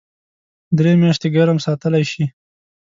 درې میاشتې ګرم ساتلی شي .